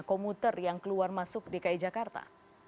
komuter yang keluar masuk dki jakarta